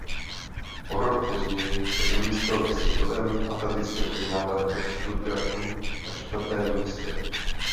O rok později se umístil na světovém atletickém finále ve Stuttgartu na čtvrtém místě.